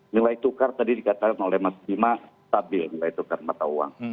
nilai tukar tadi dikatakan oleh mas bima stabil nilai tukar mata uang